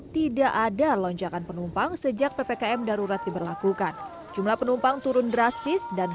tidak ada lonjakan penumpang sejak ppkm darurat diberlakukan jumlah penumpang turun drastis dan